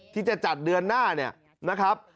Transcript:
ที่จะจัดเดือนหน้าเนี่ยนะครับ